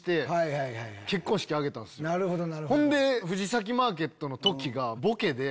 ほんで藤崎マーケットのトキがボケで。